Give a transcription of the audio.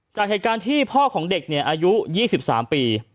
จากเหตุการณ์ที่พ่อของเด็กอายุ๒๓ปี